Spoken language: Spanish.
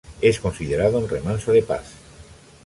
Es considerado un remanso de paz.